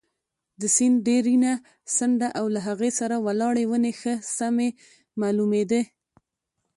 د سیند ډبرینه څنډه او له هغې سره ولاړې ونې ښه سمې معلومېدې.